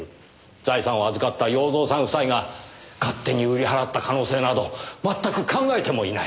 財産を預かった洋蔵さん夫妻が勝手に売り払った可能性など全く考えてもいない。